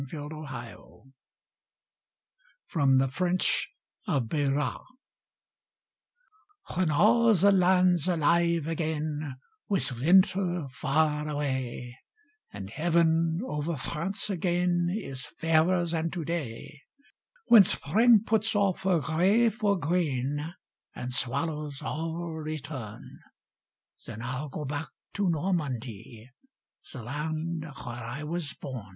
[73i NORMANDY (From the French of B^at) When all the land's alive agam With winter far away, And heaven over France again Is fairer than to day, Yi^en spring puts oflF her gray for green, And swallows all return — Then I'll go back to Normandy, The land where I was bom.